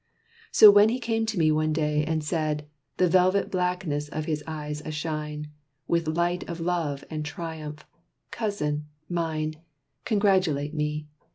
So when he came to me one day, and said, The velvet blackness of his eyes ashine With light of love and triumph: "Cousin, mine, Congratulate me!